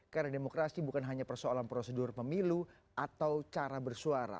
karena demokrasi bukan hanya persoalan prosedur memilu atau cara bersuara